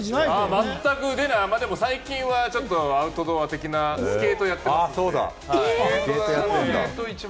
最近はアウトドア的なスケートをやってます。